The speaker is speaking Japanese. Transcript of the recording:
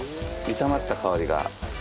炒まった香りが。